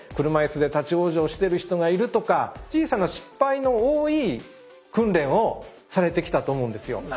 車椅子で立ち往生してる人がいるとか小さな失敗の多い訓練をされてきたと思うんですよ。